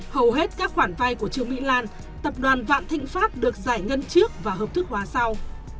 hầu hết các khoản vay của trương mỹ lan tập đoàn vạn thịnh pháp được giải ngân trước và hợp thức hóa sau